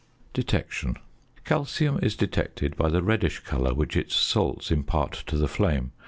~Detection.~ Calcium is detected by the reddish colour which its salts impart to the flame.